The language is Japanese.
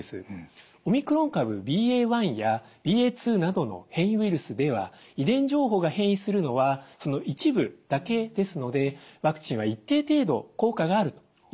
オミクロン株ＢＡ．１やＢＡ．２などの変異ウイルスでは遺伝情報が変異するのはその一部だけですのでワクチンは一定程度効果があるというふうに考えます。